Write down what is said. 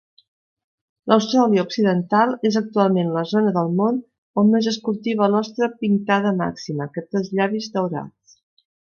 Austràlia occidental és actualment la zona del món on més es cultiva l'ostra "pinctada maxima", que té els llavis daurats.